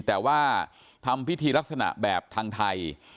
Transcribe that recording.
แต่ว่าทำพิธีลักษณะแบบทางไทย